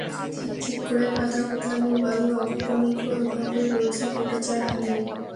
Thick থিক করে কাদা, কোথা নেই বালিঅঘটন ঘটে রোজই গোটা চার হালি।